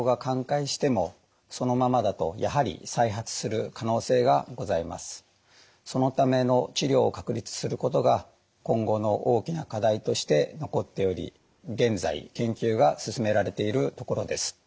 ただそのための治療を確立することが今後の大きな課題として残っており現在研究が進められているところです。